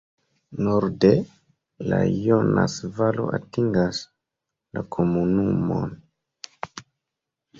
Norde la Jonas-valo atingas la komunumon.